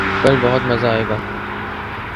کل بہت مزہ آئے گا